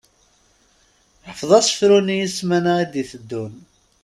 Ḥfeḍ asefru-nni i ssmanan i d-iteddun.